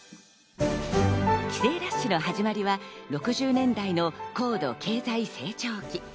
帰省ラッシュの始まりは６０年代の高度経済成長期。